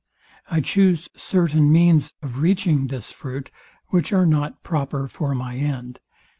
I choose certain means of reaching this fruit, which are not proper for my end.